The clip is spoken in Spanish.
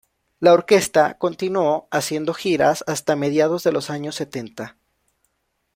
La orquesta continuó haciendo giras hasta mediados de los años setenta.